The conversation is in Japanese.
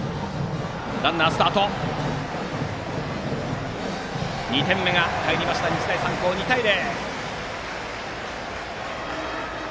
ランナー、スタートして２点目が入りました日大三高２対０！